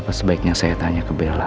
apa sebaiknya saya tanya ke bella